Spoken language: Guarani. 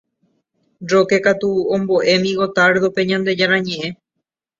Roque katu omboʼémi Gottardope Ñandejára ñeʼẽ.